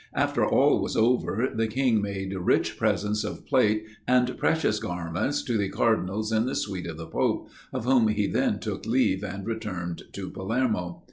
After all was over, the king made rich presents of plate, and precious garments to the cardinals in the suite of the pope, of whom he then took leave and returned to Palermo.